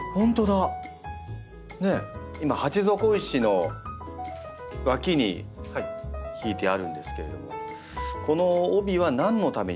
今鉢底石の脇に敷いてあるんですけれどもこの帯は何のためにあるんですか？